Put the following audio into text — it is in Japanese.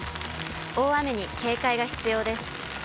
大雨に警戒が必要です。